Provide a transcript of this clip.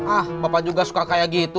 ah bapak juga suka kayak gitu